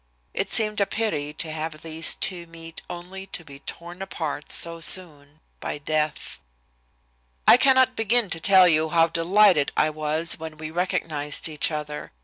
It seemed a pity to have these two meet only to be torn apart so soon by death. "I cannot begin to tell you how delighted I was when we recognized each other.